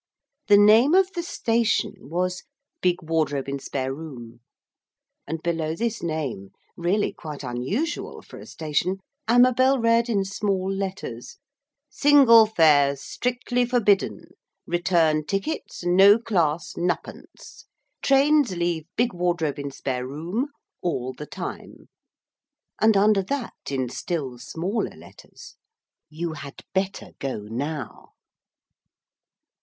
The name of the station was 'Bigwardrobeinspareroom.' And below this name, really quite unusual for a station, Amabel read in small letters: 'Single fares strictly forbidden. Return tickets No Class Nuppence. Trains leave Bigwardrobeinspareroom all the time.' And under that in still smaller letters '_You had better go now.